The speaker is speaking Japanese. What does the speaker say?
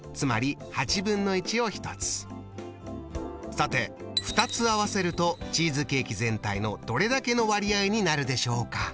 さて２つ合わせるとチーズケーキ全体のどれだけの割合になるでしょうか？